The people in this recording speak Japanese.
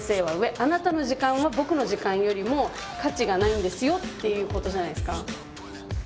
「あなたの時間は僕の時間よりも価値がないんですよ」っていうことじゃないですか。